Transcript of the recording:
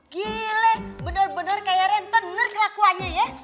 gile bener bener kayak renten ngeri kelakuannya ya